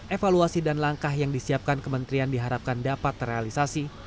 evaluasi dan langkah yang disiapkan kementerian diharapkan dapat terrealisasi